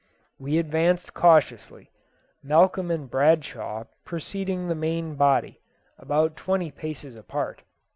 We advanced cautiously, Malcolm and Bradshaw preceding the main body, about twenty paces apart.